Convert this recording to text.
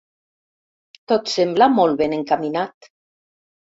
Tot sembla molt ben encaminat.